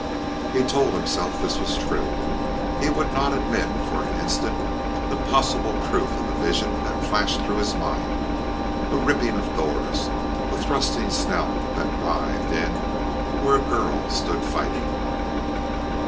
He told himself this was true; he would not admit for an instant the possible truth of the vision that flashed through his mind a ripping of doors a thrusting snout that writhed in where a girl stood fighting.